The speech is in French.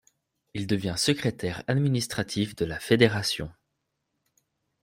Il devient secrétaire administratif de la Fédération.